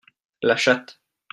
La chatte.